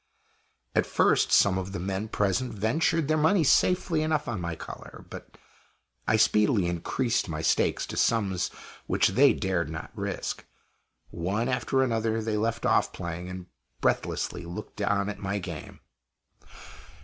At first some of the men present ventured their money safely enough on my color; but I speedily increased my stakes to sums which they dared not risk. One after another they left off playing, and breathlessly looked on at my game.